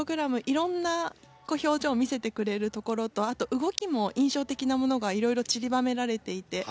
いろんな表情を見せてくれるところとあと動きも印象的なものがいろいろちりばめられていて。